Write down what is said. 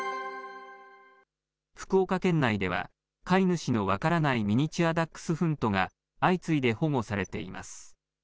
福岡県内では飼い主の分からないミニチュアダックスフントが相次いで保護されています。